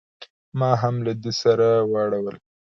ما هم له ده سره واړول.